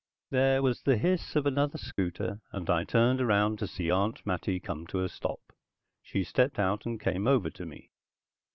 There was the hiss of another scooter, and I turned around to see Aunt Mattie come to a stop. She stepped out and came over to me.